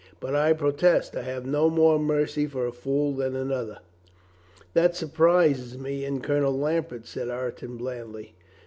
But I protest I have no more mercy for a fool than another." "That surprises me in Colonel Lambert," said Ire ton blandly.